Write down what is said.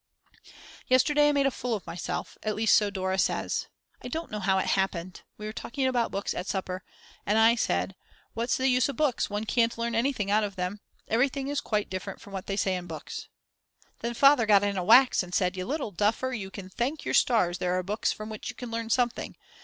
Yesterday I made a fool of myself; at least so Dora says. I don't know how it happened, we were talking about books at supper, and I said: "What's the use of books, one can't learn anything out of them; everything is quite different from what they say in books." Then Father got in a wax and said: "You little duffer, you can thank your stars there are books from which you can learn something.